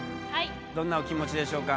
どんなお気持ちでしょうか？